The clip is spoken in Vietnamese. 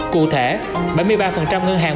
cụ thể bảy mươi ba ngân hàng